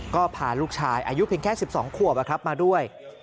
ก็พาลูกชายอายุเพียงแค่๑๒ขวบมาด้วย